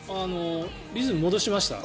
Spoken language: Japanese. リズム戻しました。